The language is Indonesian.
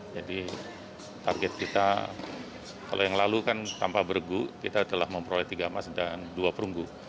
jadi target kita kalau yang lalu kan tanpa bergu kita telah memproyek tiga mas dan dua perunggu